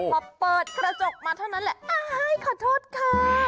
พอเปิดกระจกมาเท่านั้นแหละอายขอโทษค่ะ